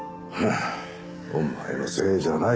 お前のせいじゃない。